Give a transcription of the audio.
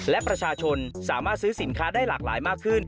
และประชาชนสามารถซื้อสินค้าได้หลากหลายมากขึ้น